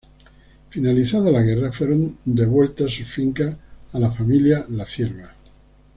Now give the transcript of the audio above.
Finalizada la guerra fueron devueltas sus fincas a la familia La Cierva.